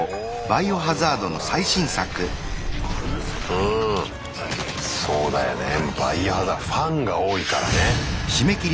うんそうだよね「バイオハザード」ファンが多いからね。